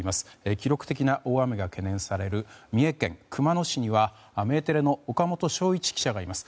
記録的な大雨が懸念される三重県熊野市にはメテレの岡本祥一記者がいます。